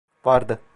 Vardı.